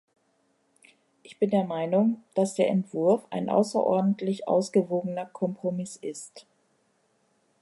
Ich bin der Meinung, dass der Entwurf ein außerordentlich ausgewogener Kompromiss ist.